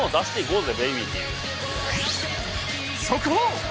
速報！